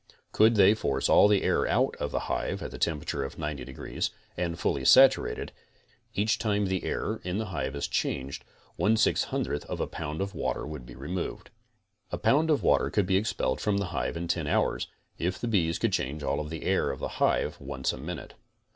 Could they force all the air out of the hive at a temperature of 90 and fully saturated, each time the air in the hive is changed 1 600 of a pound of water would be re moved. A pound of water could be expelled from the hive in 10 hours if the bees could change all the air of the' hive once a rainute.